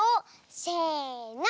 せの！